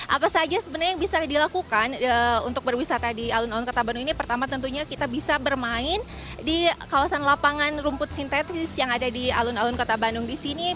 apa saja sebenarnya yang bisa dilakukan untuk berwisata di alun alun kota bandung ini pertama tentunya kita bisa bermain di kawasan lapangan rumput sintetis yang ada di alun alun kota bandung di sini